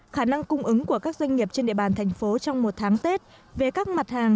khả năng cung ứng của các doanh nghiệp trên địa bàn thành phố trong một tháng tết về các mặt hàng